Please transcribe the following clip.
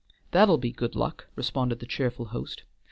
"That'll be good luck," responded the cheerful host.